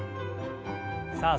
さあ